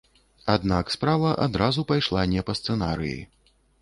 Аднак справа адразу пайшла не па сцэнарыі.